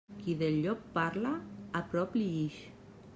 Qui del llop parla, a prop li ix.